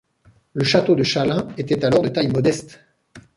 Le château de Chalain était alors de taille modeste.